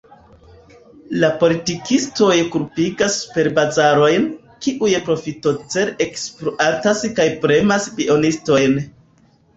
La politikistoj kulpigas superbazarojn, kiuj profitocele ekspluatas kaj premas bienistojn.